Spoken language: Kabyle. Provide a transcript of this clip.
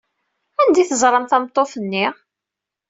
Anda ay teẓram tameṭṭut-nni?